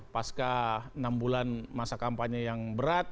pasca enam bulan masa kampanye yang berat